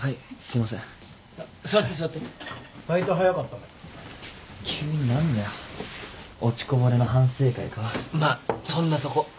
まっそんなとこ。